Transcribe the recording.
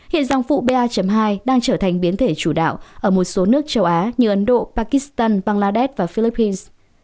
hiện dòng phụ ba hai đang trở thành biến thể chủ đạo ở một số nước châu á như ấn độ pakistan bangladesh và philippines